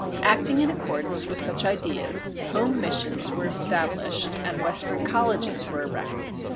Acting in accordance with such ideas, home missions were established and Western colleges were erected.